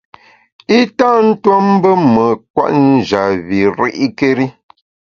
I tâ tuo mbù me kwet njap bi ri’kéri.